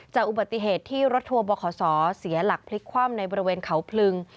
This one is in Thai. อุบัติเหตุที่รถทัวร์บขเสียหลักพลิกคว่ำในบริเวณเขาพลึง